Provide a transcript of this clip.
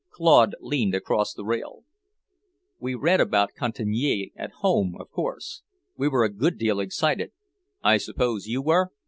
Claude leaned across the rail. "We read about Cantigny at home, of course. We were a good deal excited; I suppose you were?"